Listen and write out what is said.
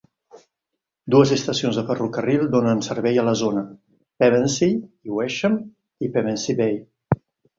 Dues estacions de ferrocarril donen servei a la zona: Pevensey i Westham i Pevensey Bay.